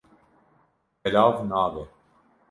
Belav nabe.